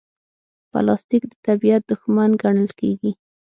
پلاستيک د طبیعت دښمن ګڼل کېږي.